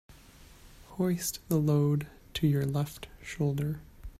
Hoist the load to your left shoulder.